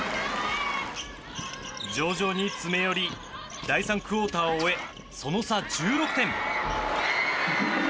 徐々に詰め寄り第３クオーターを終えその差１６点。